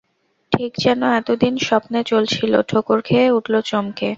ঠিক যেন এতদিন স্বপ্নে চলছিল, ঠোকর খেয়ে উঠল চমকে।